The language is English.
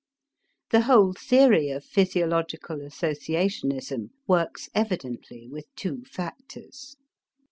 The whole theory of physiological associationism works evidently with two factors.